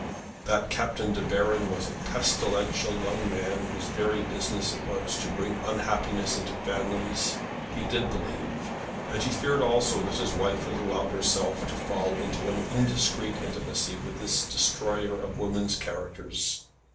That Captain De Baron was a pestilential young man whose very business it was to bring unhappiness into families, he did believe; and he feared also that his wife had allowed herself to fall into an indiscreet intimacy with this destroyer of women's characters.